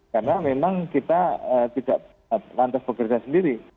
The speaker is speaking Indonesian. karena memang kita tidak lantas bekerja sendiri